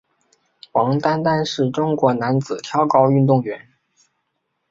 王舟舟是中国男子跳高运动员。